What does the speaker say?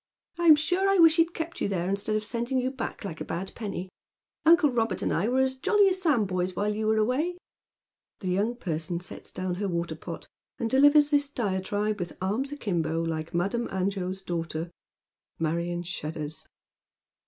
I'm sure I wish he'd kept you there instead of sending you back, like a bad penny. Uncle Robert and I were as jolly as sandboys wliileyou were away." The young person sets down her water pot and delivers this diatribe with arms akimbo, like Madame Angot's daughter. Marion shudders.